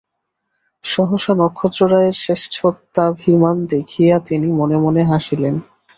সহসা নক্ষত্ররায়ের শ্রেষ্ঠত্বাভিমান দেখিয়া তিনি মনে মনে হাসিলেন।